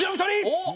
おっ！